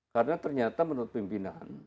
karena ternyata menurut pimpinan